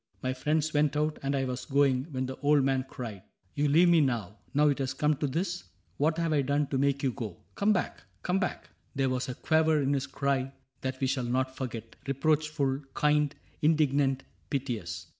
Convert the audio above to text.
My friends went out, And I was going, when the old man cried :*' You leave me now — now it has come to this ? What have I done to make you go ? Come back ! Come back !" There was a quaver in his cry That we shall not forget — reproachful, kind, Indignant, piteous.